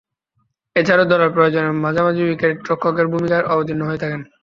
এছাড়াও, দলের প্রয়োজনে মাঝেমধ্যে উইকেট-রক্ষকের ভূমিকায় অবতীর্ণ হয়ে থাকেন।